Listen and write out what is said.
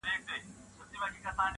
او نسلونه يې يادوي تل تل,